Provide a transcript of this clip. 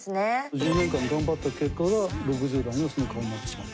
１０年間頑張った結果が６０代のその顔になってしまった。